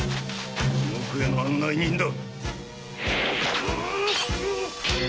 地獄への案内人だ！